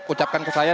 ucapkan ke saya